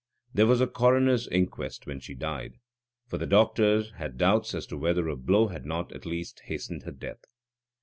There was a coroner's inquest when she died, for the doctor had doubts as to whether a blow had not, at least, hastened her death.